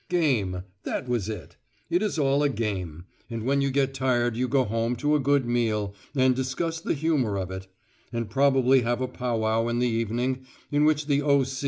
"Game," that was it: it is all a game, and when you get tired you go home to a good meal, and discuss the humour of it, and probably have a pow wow in the evening in which the O.